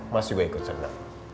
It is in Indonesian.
mas juga ikut seneng